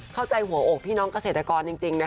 เข้าใจหัวอกพี่น้องเกษตรกรจริงนะคะ